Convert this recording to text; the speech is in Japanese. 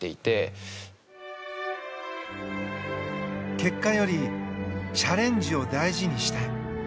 結果よりチャレンジを大事にしたい。